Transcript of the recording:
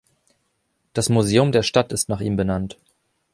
Das Museum der Stadt ist nach ihm benannt.